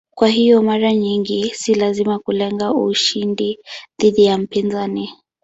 Kwa hiyo mara nyingi si lazima kulenga ushindi dhidi ya mpinzani.